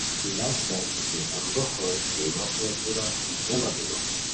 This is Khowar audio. لش لش بیتی امبوہ روئے چھوئی موخیو دُورہ جمع بیرو